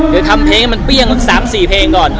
เดี๋ยวทำเพลงให้มันเปรี้ยงสัก๓๔เพลงก่อน